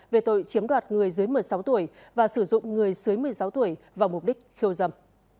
về tội chiếm đoạt người dưới một mươi sáu tuổi và sử dụng người dưới một mươi sáu tuổi vào mục đích khiêu dầm